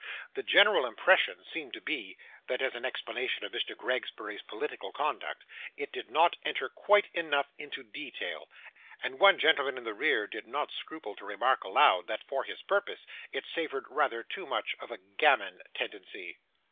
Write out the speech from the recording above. The general impression seemed to be, that as an explanation of Mr. Gregsbury's political conduct, it did not enter quite enough into detail; and one gentleman in the rear did not scruple to remark aloud, that, for his purpose, it savoured rather too much of a 'gammon' tendency.